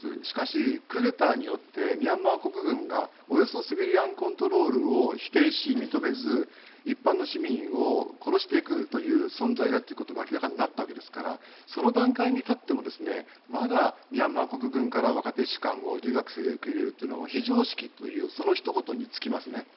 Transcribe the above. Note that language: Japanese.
しかしクーデターによってミャンマー国軍がおよそシビリアンコントロールを否定し、認めず一般の市民を殺していくという存在だということが明らかになったわけですからその段階に至ってもまだミャンマー国軍から若手士官を留学生を受け入れるというのは非常識というそのひと言に尽きますね。